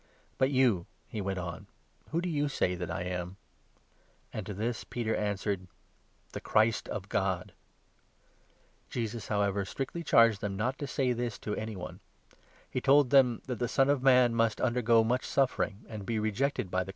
" But you," he went on, " who do you say that I am ?" And to this Peter answered : "The Christ of God." Jesus, however, strictly charged them not to say this to any jesus one > 'ie t°ld them that the Son of Man must foretells his undergo much suffering, and be rejected by the Death.